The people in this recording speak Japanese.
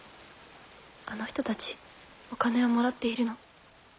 あの人たちお金をもらっているの。